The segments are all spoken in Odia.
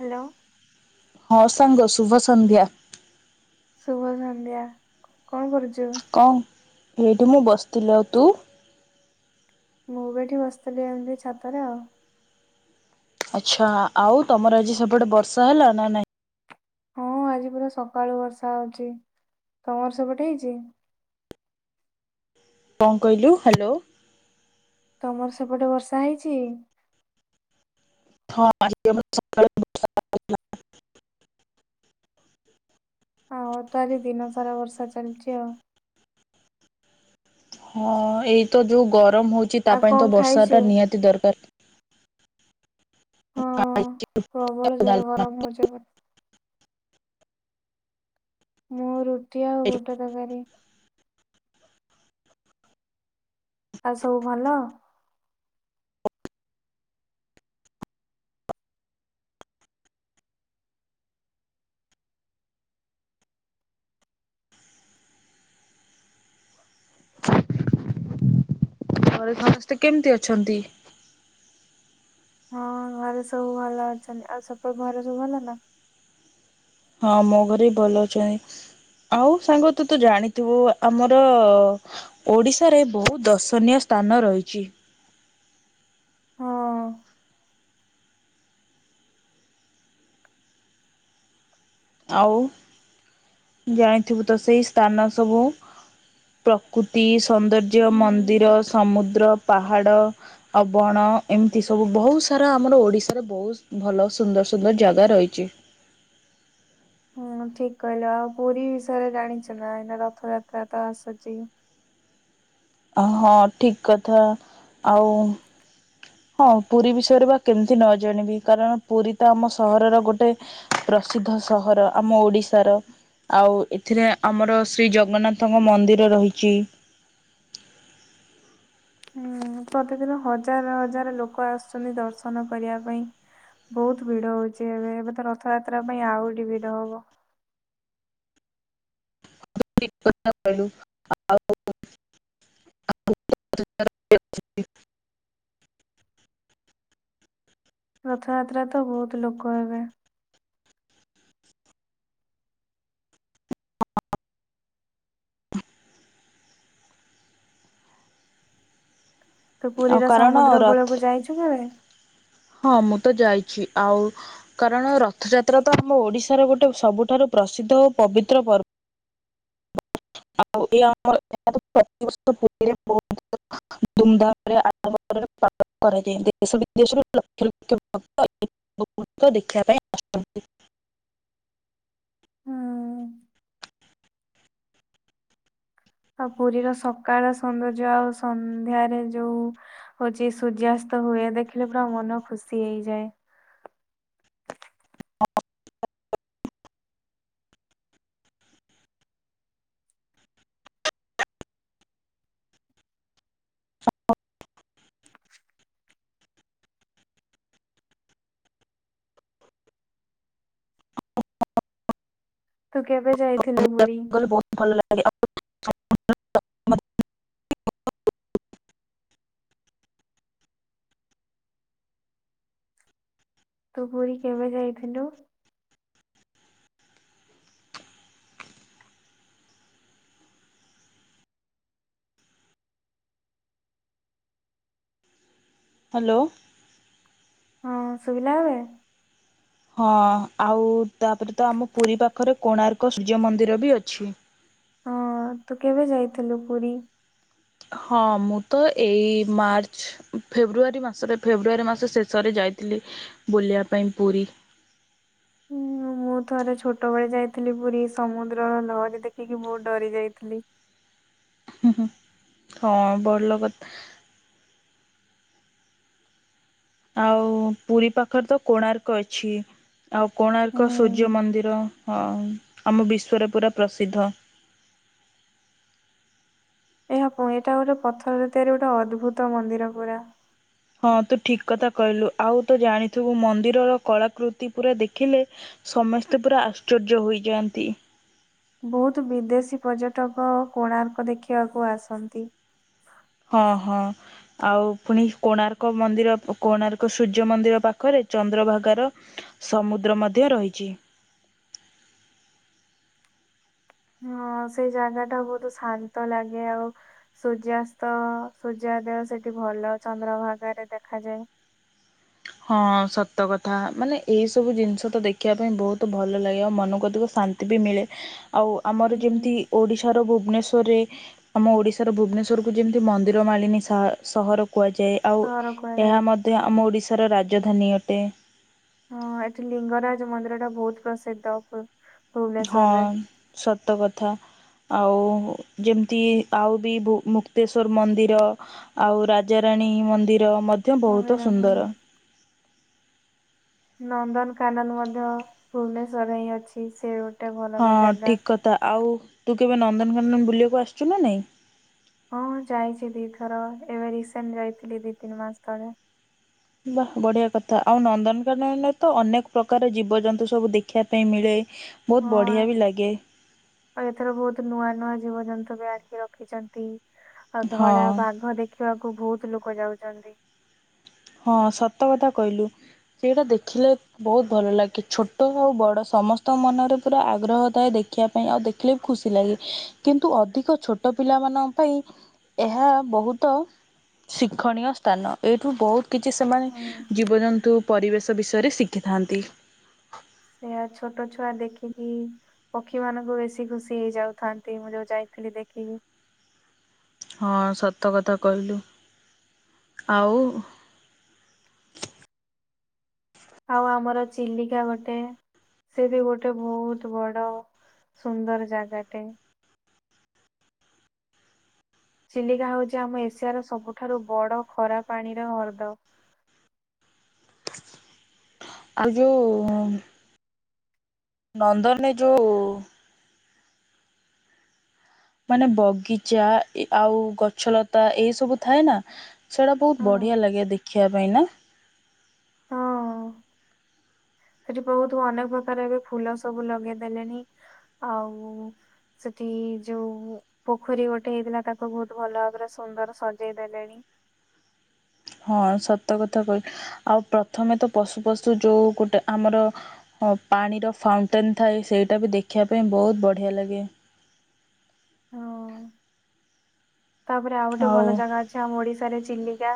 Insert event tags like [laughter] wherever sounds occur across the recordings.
ହ୍ୟାଲୋ। ହଁ ସାଙ୍ଗ ଶୁଭ ସନ୍ଧ୍ୟା। ଶୁଭ ସନ୍ଧ୍ୟା, କଣ କରୁଚ? କଣ ଏଇଠି ମୁଁ ବସିଥିଲି, ଆଉ ତୁ? ମୁଁ ବି ଏଇଠି ବସିଥିଲି ଏମିତି ଛାତରେ ଆଉ। ଆଚ୍ଛା ଆଉ ତମର ଆଜି ସେପଟେ ବର୍ଷା ହେଲା ନା ନାଇଁ? ହଁ ଆଜି ପୁରା ସକାଳୁ ବର୍ଷା ହଉଛି, ତମର ସେପଟ ହେଇଚି? କଣ କହିଲୁ, ହ୍ୟାଲୋ। ତମର ସେପଟେ ବର୍ଷା ହେଇଚି? ହଁ [unintelligible] ଆମର ତ ଆଜି ଦିନ ସାରା ବର୍ଷା ଚାଲିଚି ଆଉ। ହଁ ଏଇ ତ ଯୋଉ ଗରମ ହୋଉଚି ତା ଆଉ ପାଇଁ କଣ ତ ଖାଇଛୁ? ବର୍ଷାଟା ନିହାତି ଦରକାର। ହଁ ଆଉ ପ୍ରବଳ ଜୋରେ ଡାଲମା। ଗରମ ହୋଉଚି ଏପ ମୁଁ ରୁଟି ଆଉ ବୁଟ ତକାରୀ। ଆଉ ସବୁ ଭଲ? ଘରେ ସମସ୍ତେ କେମିତି ଅଛନ୍ତି? ହଁ ଘରେ ସବୁ ଭଲ ଅଛନ୍ତି, ଆଉ ସପୁ ଘରେ ସବୁ ଭଲ ନା? ହଁ ମୋ ଘରେ ବି ଭଲ ଅଛନ୍ତି। ଆଉ ସାଙ୍ଗ ତୁ ତ ଜାଣିଥିବୁ ଆମର ଓଡ଼ିଶାରେ ବହୁ ଦର୍ଶନୀୟ ସ୍ଥାନ ରହିଚି। ହଁ। ଆଉ ଜାଣିଥିବୁ ତ ସେଇ ସ୍ଥାନ ସବୁ ପ୍ରକୁତି ସୌନ୍ଦର୍ଯ୍ୟ ମନ୍ଦିର ହୁଁ। ସମୁଦ୍ର ପାହାଡ଼ ଆ ବଣ ଏମିତି ସବୁ ବହୁତ ସାରା, ଆମର ଓଡ଼ିଶାରେ ବହୁତ ସୁ ଭଲ ସୁନ୍ଦର ସୁନ୍ଦର ଜାଗା ରହିଚି। ହୁଁ ଠିକ କହିଲ, ଆଉ ପୁରୀ ବିଷୟରେ ଜାଣିଚ ନା ଏଇନା ରଥଯାତ୍ରା ତ ଆସୁଚି? ହଁ ଠିକ କଥା ଆଉ ହଁ ପୁରୀ ବିଷୟରେ ବା କେମିତି ନ ଜାଣିବି, କାରଣ ପୁରୀ ତ ଆମ ସହରର ଗୋଟେ ପ୍ରସିଦ୍ଧ ସହର ଆମ ଓଡ଼ିଶାର। ଆଉ ଏଥିରେ ଆମର ଶ୍ରୀ ଜଗନ୍ନାଥଙ୍କ ମନ୍ଦିର ରହିଚି। ହୁଁ ପ୍ରତିଦିନ ହଜାର ହଜାର ଲୋକ ଆସୁଚନ୍ତି ଦର୍ଶନ କରିବା ପାଇଁ। ବହୁତ ଭିଡ଼ ହଉଚି ଏବେ, ଏବେ ତ ରଥଯାତ୍ରା ପାଇଁ ଆଉରି ଭିଡ଼ ହବ। ଟିକ୍ କଥା କହିଲୁ। ରଥଯାତ୍ରା ତ ବୋହୁତ ଲୋକ ହେବେ। ତୁ ଆଉ ପୁରୀର କାରଣ ସମୁଦ୍ର ର କୂଳକୁ ଯାଇଚୁ କେବେ? ହଁ ମୁଁ ତ ଯାଇଛି ଆଉ କାରଣ ରଥଯାତ୍ରା ତ ଆମ ଓଡ଼ିଶାର ଗୋଟେ ସବୁଠାରୁ ପ୍ରସିଦ୍ଧ ଓ ପବିତ୍ର ପର୍ [unintelligible] [unintelligible] ଭକ୍ତ ଦେଖିବା ପାଇଁ ଆସନ୍ତି। ହୁଁ। ଆଉ ପୁରୀର ସକାଳ ସୌନ୍ଦର୍ଯ୍ୟ ଆଉ ସନ୍ଧ୍ୟାରେ ଯୋଉ ହୋଉଛି ସୂର୍ଯ୍ୟାସ୍ତ ହୁଏ ଦେଖିଲେ ପୁରା ମନ ଖୁସି ହେଇଯାଏ। [unintelligible] ତୁ କେବେ ଯାଇଥିଲୁ ପୁରୀ। ଗଲେ ଭଲ ଲାଗେ ଆଉ [unintelligible] ତୁ ପୁରୀ କେବେ ଯାଇଥିଲୁ। ହାଲୋ। ହଁ ଶୁଭିଲା ଏବେ। ହଁ ଆଉ ତାପରେ ତ ଆମ ପୁରୀ ପାଖରେ କୋଣାର୍କ ସୂର୍ଯ୍ୟ ମନ୍ଦିର ବି ଅଛି। ହଁ ତୁ କେବେ ଯାଇଥିଲୁ ପୁରୀ। ହଁ ମୁଁ ତ ଏଇ ମାର୍ଚ୍ଚ ଫେବୃଆରୀ ମାସରେ ଫେବୃଆରୀ ମାସ ଶେଷରେ ଯାଇଥିଲି। ବୁଲିବା ପାଇଁ ପୁରୀ। ହୁଁ ମୁଁ ଥରେ ଛୋଟ ବେଳେ ଯାଇଥିଲି ପୁରୀ ସମୁଦ୍ରର ଲହଡି ଦେଖିକି ବହୁତ ଡରି ଯାଇଥିଲି। ହୁଁ ହୁଁ ହଁ ବଲ କ ଆଉ ପୁରୀ ପାଖରେ ତ କୋଣାର୍କ ଅଛି। ଆଉ କୋଣାର୍କ ହୁଁ। ସୂର୍ଯ୍ୟ ମନ୍ଦିର। ହଁ ଆମ ବିଶ୍ୱରେ ପୁରା ପ୍ରସିଦ୍ଧ। ଏହା ପୁଏତ ଗୋଟେ ପଥରରେ ତିଆରି ଗୋଟେ ଅଦ୍ଭୁତ ମନ୍ଦିର ପୁରା। ହଁ ତୁ ଠିକ୍ କଥା କହିଲୁ। ଆଉ ତୁ ଜାଣିଥିବୁ ମନ୍ଦିରର କଳାକୃତି ପୁରା ଦେଖିଲେ ସମସ୍ତେ ପୁରା ଆଶ୍ଚର୍ଯ୍ୟ ହୋଇଯାଆନ୍ତି। ବହୁତ ବିଦେଶୀ ପର୍ଯ୍ୟଟକ କୋଣାର୍କ ଦେଖିବାକୁ ଆସନ୍ତି। ହଁ ହଁ। ଆଉ ପୁଣି କୋଣାର୍କ ମନ୍ଦିର କୋଣାର୍କ ସୂର୍ଯ୍ୟ ମନ୍ଦିର ପାଖରେ ଚନ୍ଦ୍ରଭାଗାର ସମୁଦ୍ର ମଧ୍ୟ ରହିଛି। ହଁ ସେଇ ଜାଗା ଟା ବହୁତ ଶାନ୍ତ ଲାଗେ ଆଉ ସୂର୍ଯ୍ୟାସ୍ତ ସୂର୍ଯ୍ୟୋଦୟ ସେଠି ଭଲ ଚନ୍ଦ୍ରଭାଗରେ ଦେଖାଯାଏ। ହଁ ସତ କଥା ମାନେ ଏଇ ସବୁ ଜିନିଷ ତ ଦେଖିବା ପାଇଁ ବହୁତ ଭଲ ଲାଗେ ଆଉ ମନକୁ ଅଧିକ ଶାନ୍ ନ୍ତି ବି ମିଳେ। ଆଉ ଆମର ଯେମିତି ହୁଁ ଓଡ଼ିଶାର ଭୁବନେଶ୍ୱରରେ ଆମ ଓଡ଼ିଶାର ଭୁବନେଶ୍ଵରକୁ ଯେମିତି ମନ୍ଦିର ମାଳିନୀ ସ ସହର କୁହାଯାଏ। ଆଉ ସହର ଏହା କୁହାଯାଏ ମଧ୍ୟ ଆମ ଓଡ଼ିଶାର ରାଜଧାନୀ ଅଟେ। ହଁ ଏଠି ଲିଙ୍ଗରାଜ ମନ୍ଦିର ଟା ବହୁତ ପ୍ରସିଦ୍ଧ ଅଟେ। ହଁ ସତ କଥା। ଆଉ ଯେମିତି ଆଉ ବି ବୁ ମୁକ୍ତେଶ୍ୱର ମନ୍ଦିର। ଆଉ ରାଜାରାଣୀ ମନ୍ଦିର ମଧ୍ୟ ବହୁତ ମନ୍ଦିର ହଁ ସୁନ୍ଦର। ନନ୍ଦନକାନନ ମଧ୍ୟ ଭୁବନେଶ୍ୱରରେ ହିଁ ଅଛି। ସେ ଭଲ ହଁ ଲ- ଜାଗା। ଠିକ୍ କଥା ଆଉ ତୁ କେବେ ନନ୍ଦନକାନନ ବୁଲିବାକୁ ଆସିଛୁ ନା ନାଇଁ। ହଁ ଯାଇଛି ଦି ଥର ଏବେ ରିସେଣ୍ଟ ଯାଇଥିଲି ଦି ତିନି ମାସ ତଳେ। ବା ବଢ଼ିଆ କଥା ଆଉ ନନ୍ଦନକାନନରେ ତ ଅନେକ ପ୍ରକାର ଜୀବଜନ୍ତୁ ସବୁ ଦେଖିବା ପାଇଁ ମିଳେ। ହଁ ବହୁତ ବଢ଼ିଆ ବି ଲାଗେ। ଆଉ ଏଥର ବହୁତ ନୂଆ ନୂଆ ଜୀବଜନ୍ତୁ ବି ଆଣିକି ରଖିଛନ୍ତି। ଆଉ ହଁ ଧଳା ବାଘ ଦେଖିବାକୁ ବହୁତ ଲୋକ ଯାଉଛନ୍ତି। ହଁ ସତ କଥା କହିଲୁ ସେଇଟା ଦେଖିଲେ ବହୁତ ଭଲ ଲାଗେ। ଛୋଟ ଆଉ ବଡ଼ ସମସ୍ତଙ୍କ ମନରେ ପୁରା ଆଗ୍ରହ ଥାଏ ଦେଖିବା ପାଇଁ। ଆଉ ଖାଲି ଖୁସି ଲାଗେ କିନ୍ତୁ ଅଧିକ ଛୋଟ ପିଲାମାନଙ୍କ ପାଇଁ ଏହା ବହୁତ ଶିକ୍ଷଣୀୟ ସ୍ଥାନ ଏଇଠୁ ବହୁତ ଯେ ସେମାନେ ଜୀବଜନ୍ତୁ ପରିବେଶ ବିଷୟରେ ଶିଖିଥାନ୍ତି। ସେୟା ଛୋଟ ଛୁଆ ଦେଖିକି ପକ୍ଷୀ ମାନଙ୍କୁ ବେଶୀ ଖୁସି ହେଇଯାଉଥାନ୍ତି ମୁଁ ଯୋଉ ଯାଇଥିଲି ଦେଖିକି। ହଁ ସତ କଥା କହିଲୁ ଆଉ ଆଉ ଆମର ଚିଲିକା ଗୋଟେ। ସେ ବି ଗୋଟେ ବହୁତ ବଡ ସୁନ୍ଦର ଯାଗାଟେ। ଚିଲିକା ହଉଛି ଆମ ଏସିଆର ସବୁଠାରୁ ବଡ ଖରା ପାଣିର ହ୍ରଦ। ଆଉ ଯୋଉ ନନ୍ଦନରେ ଯୋଉ ମାନେ ବଗିଚା ଆଉ ଗଛଲତା ଏଇ ସବୁ ଥାଏନା। ସେଇଟା ହଁ ବହୁତ ବଢିଆ ଲାଗେ ଦେଖିବା ପାଇଁ ନା। ହଁ। ସେଠି ବହୁତ ଅନେକ ପ୍ରକାର ବି ଫୁଲ ସବୁ ଲଗେଇଦେଲେଣି। ଆଉ ସେଠି ଯୋଉ ପୋଖରୀ ଗୋଟେ ହେଇଥିଲା ତାକୁ ବହୁତ ଭଲ ଭାବରେ ସୁନ୍ଦର ସଜେଇ ଦେଲେଣି? ହଁ ସତ କଥା କହିଲ ଆଉ ପ୍ରଥମେ ତ ପଶୁ ପଶୁ ଯୋଉ ଗୋଟେ ଆମର ହ ପାଣିର ଫାଉଣ୍ଟେନ୍ ଥାଏ ସେଇଟା ବି ଦେଖିବା ପାଇଁ ବହୁତ ବଢ଼ିଆ ଲାଗେ। ହଁ ତାପରେ ଆଉ ଗୋଟେ ଭଲ ଜାଗା ଅଛି ଆମ ଓଡିଶାରେ ଚିଲିକା।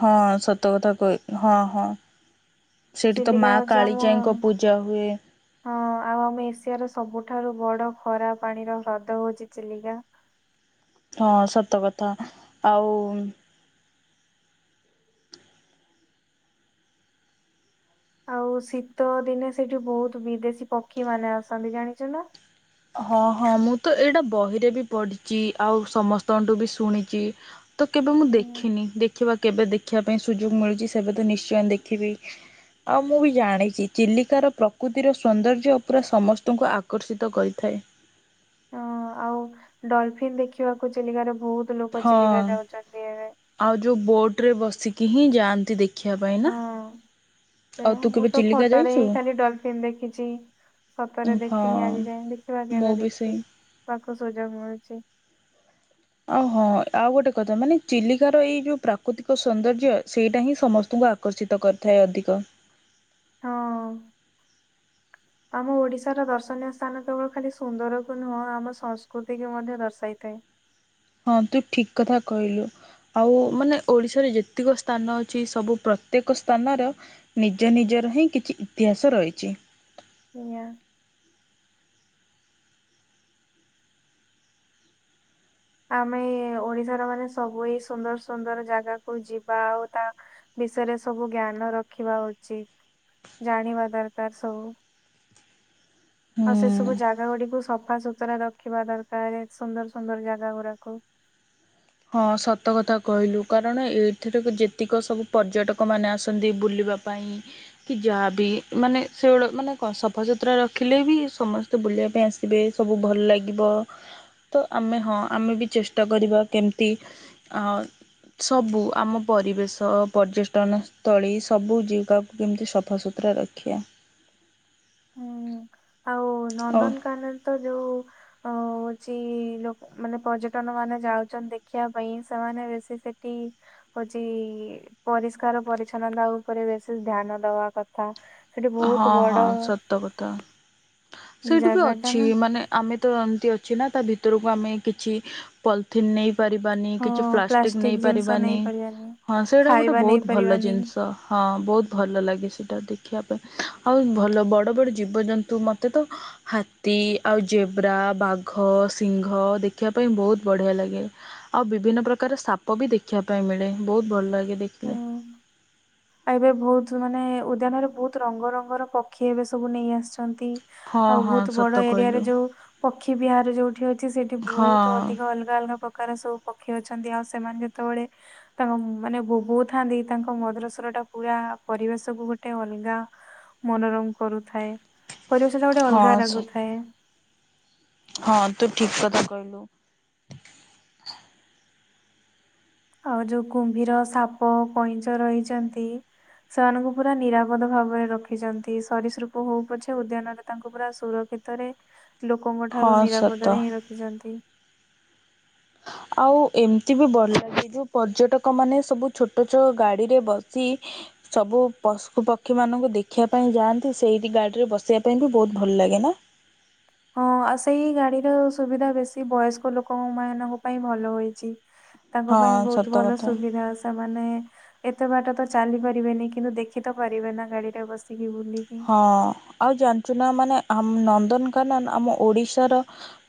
ହଁ ସତ କଥା କହି ହଁ ହଁ। ସେଇଠି ତ ଚିଲିକା ମା ହଉଛି ଆମ କାଳିଜାଇଙ୍କ ପୂଜା ହୁଏ। ହଁ ଆଉ ଆମ ଏସିଆର ସବୁଠାରୁ ବଡ ଖରା ପାଣିର ହ୍ରଦ ହଉଛି ଚିଲିକା। ହଁ ସତ କଥା ଆଉ ଆଉ ଶୀତ ଦିନେ ସେଇଠି ବହୁତ ବିଦେଶୀ ପକ୍ଷୀ ମାନେ ଆସନ୍ତି ଜାଣିଛୁ ନା? ହଁ ହଁ ମୁଁ ତ ଏଇଟା ବହିରେ ବି ପଢିଛି ଆଉ ସମସ୍ତଙ୍କଠୁ ବି ଶୁଣିଛି? ତ କେବେ ମୁଁ ହୁଁ। ଦେଖିନି ଦେଖିବା କେବେ ଦେଖିବା ପାଇଁ ସୁଯୋଗ ମିଳୁଛି ସେବେ ତ ନିଶ୍ଚୟ ଦେଖିବି। ଆଉ ମୁଁ ବି ଜାଣିଛି ଚିଲିକାର ପ୍ରକୃତିର ସୌନ୍ଦର୍ଯ୍ୟ ଉପରେ ସମସ୍ତଙ୍କୁ ଆକର୍ଷିତ କରି ଥାଏ। ହଁ ଆଉ ଡଲଫିିନ ଦେଖିବାକୁ ଚିଲିକାରେ ବହୁତ ଲୋକ ହଁ ଚିଲିକା ଯାଉଛନ୍ତି ଏବେ ଆଉ ଯେଉଁ ବୋଟରେ ବସିକି ହିଁ ଯାଆନ୍ତି ଦେଖିବା ପାଇଁ ନା? ହଁ ଆଉ ତୁ ମୁଁ କେବେ ତ ଚିଲିକା ଫଟୋରେ ଯାଇଛୁ ହିଁ ଖାଲି ଡଲଫିିନ ଦେଖିଛି। ସତରେ ହଁ ଦେଖିନି ଆଜି ଯାଏ ଦେଖିବା ମୁଁ କେବେ ବି ସେଇ ଦେଖିନି ତାକୁ ସୁଯୋଗ ମିଳୁଛି? ଆଉ ହଁ ଆଉ ଗୋଟେ କଥା ମାନେ ଚିଲିକାର ଏଇ ଯୋଉ ପ୍ରାକୃତିକ ସୌନ୍ଦର୍ଯ୍ୟ ସେଇଟା ହିଁ ସମସ୍ତଙ୍କୁ ଆକ ଆକର୍ଷିତ କରିଥାଏ ଅଧିକ। ହଁ। ଆମ ଓଡିଶାର ଦର୍ଶନୀୟ ସ୍ଥାନ କେବଳ ଖାଲି ସୁନ୍ଦରକୁ ନୁହଁ ଆମ ସଂସ୍କୃତିକୁ ମଧ୍ୟ ଦର୍ଶାଇଥାଏ। ହଁ ତୁ ଠିକ କଥା କହିଲୁ। ଆଉ ମାନେ ଓଡ଼ିଶାରେ ଯେତିକ ସ୍ଥାନ ଅଛି ସବୁ ପ୍ରତ୍ୟେକ ସ୍ଥାନର ନିଜ ନିଜର ହିଁ କିଛି ଇତିହାସ ରହିଛି। ଆଜ୍ଞା। ଆମେ ଓଡିଶାର ମାନେ ସବୁ ଏଇ ସୁନ୍ଦର ସୁନ୍ଦର ଜାଗାକୁ ଯିବା ଆଉ ତା ବିଷୟରେ ସବୁ ଜ୍ଞାନ ରଖିବା ଉଚିତ ଜାଣିବା ଦରକାର ସବୁ ଆଉ ହୁଁ। ସେ ସବୁ ଯାଗା ଗୁଡିକୁ ସଫା ସୁୁତୁରା ରଖିବା ଦରକାର ସୁନ୍ଦର ସୁନ୍ଦର ଯାଗା ଗୁଡାକୁ। ହଁ ସତ କଥା କହିଲୁ କାରଣ ଏଠି ଯେତିକ ସବୁ ପର୍ଯ୍ୟଟକ ମାନେ ଆସନ୍ତି ବୁଲିବାକୁ ପାଇଁ କି ଯାହାବି ମାନେ ସେଗୁଡ଼ା ମାନେ ସଫାସୁତୁରା ରଖିଲେ ବି ସମସ୍ତେ ତ ବୁଲିବା ପାଇଁ ଆସିବେ ସବୁ ଭଲ ଲାଗିବ। ତ ଆମେ ହଁ ଆମେ ବି ଚେଷ୍ଟା କରିବା କେମତି ସବୁ ଆମ ପରିବେଶ ପର୍ଯ୍ୟଟନସ୍ଥଳୀ ସବୁ ଜିଗାକୁ କେମିତି ସଫାସୁତା ସୁତୁରା ରଖିବା। ହୁଁ ଆଉ ଓ ନନ୍ଦନକାନନ ତ ଯୋଉ ଅ ହୋଉଚି ଲୋ ମାନେ ପର୍ଯ୍ୟଟନ ମାନେ ଯାଉଛନ୍ତି ଦେଖିବା ପାଇଁ ସେମାନେ ବେଶୀ ସେଠି ହଉଛି ପରିଷ୍କାର ପରିଚ୍ଛନ୍ନତା ଉପରେ ବେଶ ଧ୍ୟାନ ଦବା କଥା। ସେଠି ହଁ ବହୁତ ହଁ ବଡ ସତ କଥା। ସେଇଠି ବି ଜାଗା ଟା ଅଛି ନା ମାନେ ଆମେ ତ ଏମିତି ଅଛି ନା ତା ଭିତରକୁ ଆମେ କିଛି ପଲିଥିନ୍ ନେଇ ପାରିବାନି ହଁ କିଛି ପ୍ଲାଷ୍ଟିକ ଜିନିଷ ନେଇପାରିବାନି। ନେଇପାରିବାନି। ହଁ ସେଇଟା ଗୋଟେ ଖାଇବା ବହୁତ ଭଲ ନେଇପାରିବାନି। ଜିନିଷ। ହଁ ବହୁତ ଭଲ ଲାଗେ ସେଇଟା ଦେଖିବା ଆଉ ଭଲ ବଡ ବଡ ଜୀବଜନ୍ତୁ ମତେ ତ ହାତୀ ଆଉ ଜେବ୍ରା ବାଘ ସିଂହ ଦେଖିବା ପାଇଁ ବହୁତ ବଢିଆ ଲାଗେ। ଆଉ ବିଭିନ୍ନ ପ୍ରକାର ସାପ ବି ଦେଖିବା ପାଇଁ ମିଳେ ବହୁତ ଭଲ ଲାଗେ ଦେଖିଲେ। ଏବେ ବହୁତ ମାନେ ଉଦ୍ୟାନରେ ବହୁତ ରଙ୍ଗରଙ୍ଗର ପକ୍ଷୀ ଏବେ ସବୁ ନେଇ ଆସିଛନ୍ତି। ହଁ ଆଉ ହଁ ବହୁତ ସତ ବଡ ଏରିଆରେ କହିଲୁ ଯୋଉ ପକ୍ଷୀ ବିହାର ଯୋଉଠି ଅଛି ସେଇଠି ହଁ ବହୁତ ଅଧିକ ଅଲଗା ଅଲଗା ପ୍ରକାର ସବୁ ପକ୍ଷୀ ଅଛନ୍ତି ଆଉ ସେମାନେ ଯେତେବେଳେ ତାଙ୍କ ମାନେ ବୋହୁଉଥାନ୍ତି ତାଙ୍କ ମଦର ସ ତ୍ର ଟା ପୁରା ପରିବେଶ କୁ ଗୋଟେ ଅଲଗା ମନୋରମ କରୁଥାଏ। ପରିବେଶଟା ଗୋଟେ ଅଲଗା ହଁ ସ ରାଗୁ ଥାଏ। ହଁ ତୁ ଠିକ କଥା କହିଲୁ। ଆଉ ଯୋଉ କୁମ୍ଭୀର ସାପ କଇଁଚ ରହିଚନ୍ତି। ସେମାନଙ୍କୁ ପୁରା ନିରାପଦ ଭାବରେ ରଖିଚନ୍ତି। ସରିସୃପ ହଉ ପଛେ ଉଦ୍ୟାନରେ ତାଙ୍କୁ ପୁରା ସୁରକ୍ଷିତ ରେ ଲୋକଙ୍କ ହଁ ଠାରୁ ସତ। ନିରାପଦରେ ହିଁ ରଖିଛନ୍ତି। ଆଉ ଏମିତି ବି ବଲ ଲାଗେ ଯୋଉ ପର୍ଯ୍ୟଟକ ମାନେ ସବୁ ଛୋଟ ଛୋ ଗାଡି ରେ ବସି ସବୁ ପଶୁ ପକ୍ଷୀମାନଙ୍କୁ ଦେଖିବା ପାଇଁ ଯାଆନ୍ତି ସେଇଠି ଗାଡ଼ିରେ ବସିବା ପାଇଁ ବି ବହୁତ ଭଲ ଲାଗେ ନା? ହଁ ଆଉ ସେଇ ଗାଡିର ସୁବିଧା ବେଶୀ ବୟସ୍କ ଲୋକଙ୍କ ମାନଙ୍କ ପାଇଁ ଭଲ ହୋଇଚି। ତାଙ୍କ ପାଇଁ ହଁ ବହୁତ ସତ ଭଲ କଥା ସୁବିଧା ଆସ ତା ମାନେ ଏତେ ବାଟ ତ ଚାଲି ପାରିବେନି କିନ୍ତୁ ଦେଖି ତ ପାରିବେ ନା ଗାଡିରେ ବସିକି ବୁଲିକି। ହଁ ଆଉ ଜାଣିଚୁ ନା ମାନେ ଆ ନନ୍ଦନକାନନ ଆମ ଓଡ଼ିଶାର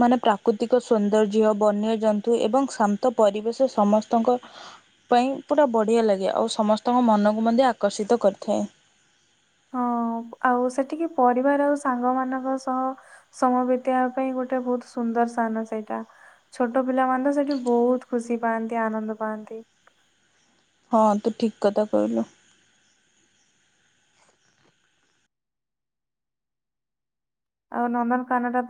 ମାନେ ପ୍ରାକୃତିକ ସୌନ୍ଦର୍ଯ୍ୟ ବନ୍ୟଜନ୍ତୁ ଏବଂ ଶାନ୍ତ ପରିବେଶ ସମସ୍ତଙ୍କ ପାଇଁ ପୁରା ବଢ଼ିଆ ଲାଗେ ଆଉ ସମସ୍ତଙ୍କ ମନକୁ ମଧ୍ୟ ଆକର୍ଷିତ କରିଥାଏ। ହଁ ଆଉ ସେଠିକି ପରିବାର ଆଉ ସାଙ୍ଗ ମାନଙ୍କ ସହ ସମ ବିତେଇବା ପାଇଁ ଗୋଟେ ବହୁତ ସୁନ୍ଦର ସ୍ଥାନ ସେଇଟା। ଛୋଟ ପିଲାମାନେ ତ ସେଠି ବହୁତ ଖୁସି ପାଆନ୍ତି ଆନନ୍ଦ ପାଆନ୍ତି। ହଁ ତୁ ଠିକ କଥା କହିଲୁ। ଆଉ ନନ୍ଦନ କାନ ଟା